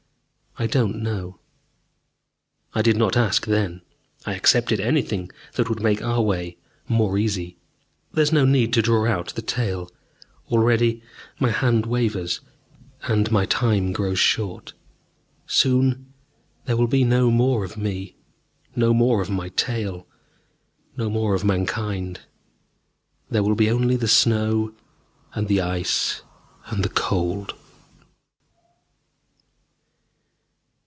I do not know. I did not ask then. I accepted anything that would make our way more easy. There is no need to draw out the tale. Already my hand wavers, and my time grows short. Soon there will be no more of me, no more of my tale no more of Mankind. There will be only the snow, and the ice, and the cold